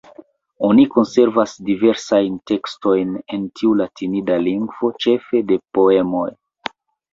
Oni konservas diversajn tekstojn en tiu latinida lingvo, ĉefe de poemoj.